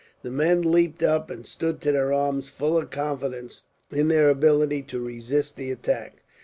The men leaped up and stood to their arms, full of confidence in their ability to resist the attack.